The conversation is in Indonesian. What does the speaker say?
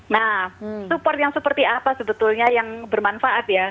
nah support yang seperti apa sebetulnya yang bermanfaat ya